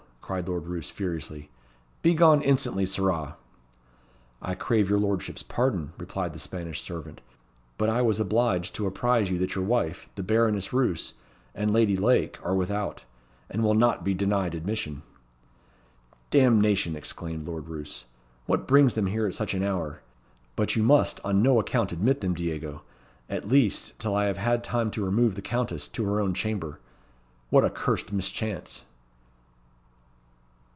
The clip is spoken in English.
cried Lord Roos, furiously. "Begone instantly, sirrah!". "I crave your lordship's pardon," replied the Spanish servant; "but I was obliged to apprise you that your wife, the Baroness Roos, and Lady Lake are without, and will not be denied admission." "Damnation!" exclaimed Lord Roos. "What brings them here at such an hour? But you must on no account admit them, Diego at least, till I have had time to remove the Countess to her own chamber. What a cursed mischance!"